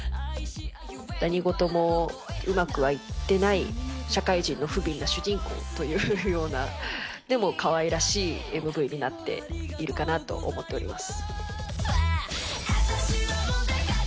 何事もうまくはいってない社会人のふびんな主人公というような、でもかわいらしいＭＶになっているかなと思っております。